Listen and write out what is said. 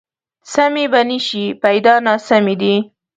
سمې به نه شي، پیدا ناسمې دي